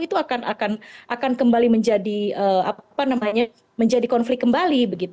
itu akan kembali menjadi konflik kembali